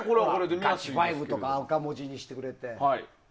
ガチファイブとか赤文字にしてくれて。